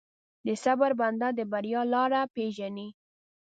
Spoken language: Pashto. د صبر بنده، د بریا لاره پېژني.